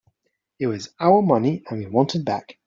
It was our money and we want it back.